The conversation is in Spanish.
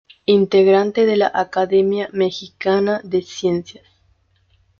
Integrante de la Academia Mexicana de Ciencias.